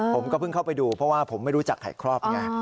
ผมก็เพิ่งเข้าไปดูเพราะว่าผมไม่รู้จักไข่ครอบไง